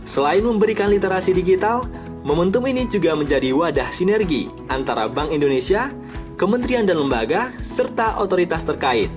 selain memberikan literasi digital momentum ini juga menjadi wadah sinergi antara bank indonesia kementerian dan lembaga serta otoritas terkait